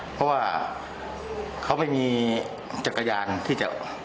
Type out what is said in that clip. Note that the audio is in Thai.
เพราะว่าเขาไม่มีจักรยานที่จะออก